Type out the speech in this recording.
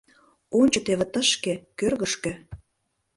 Ончо теве тышке, кӧргышкӧ!